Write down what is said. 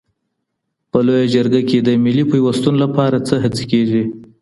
په لویه جرګه کي د ملي پیوستون لپاره څه هڅي کیږي؟